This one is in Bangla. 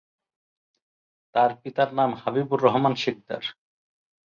তার পিতার নাম হাবিবুর রহমান সিকদার।